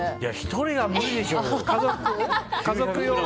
１人は無理でしょ。